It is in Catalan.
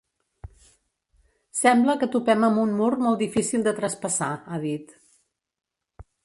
“Sembla que topem amb un mur molt difícil de traspassar”, ha dit.